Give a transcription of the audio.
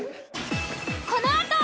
このあと！